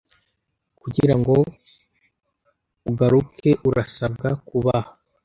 kugirango ugaruke urasabwa kubaha